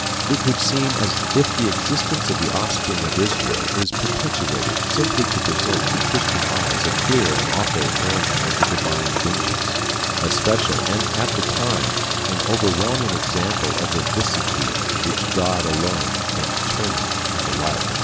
It would seem as if the existence of the offspring of Israel is perpetuated simply to present to Christian eyes a clear and awful warning of the Divine vengeance, a special, and at the same time an overwhelming example of the vicissitudes which God alone can determine in the life of a people.